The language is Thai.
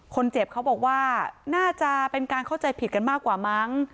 เขาบอกว่าน่าจะเป็นการเข้าใจผิดกันมากกว่ามั้ง